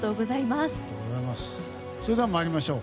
それでは参りましょう。